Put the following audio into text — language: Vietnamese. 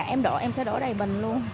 em sẽ đổ đầy bình luôn